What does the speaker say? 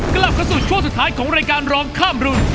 กลับเข้าสู่ช่วงสุดท้ายของรายการร้องข้ามรุ่น